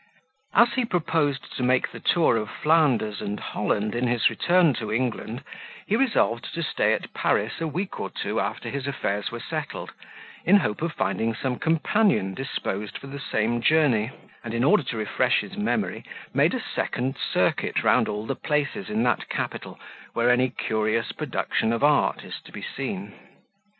As he proposed to make the tour of Flanders and Holland in his return to England, he resolved to stay at Paris a week or two after his affairs were settled, in hope of finding some companion disposed for the same journey; and, in order to refresh his memory, made a second circuit round all the places in that capital, where any curious production of art is to be seen.